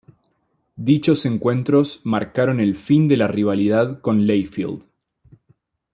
Dichos encuentros marcaron el fin de la rivalidad con Layfield.